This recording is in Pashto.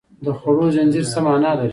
د خوړو زنځیر څه مانا لري